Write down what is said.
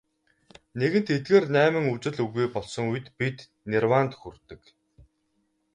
Нэгэнт эдгээр найман үзэл үгүй болсон үед бид нирваанд хүрдэг.